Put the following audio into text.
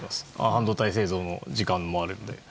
半導体製造の時間もあるので。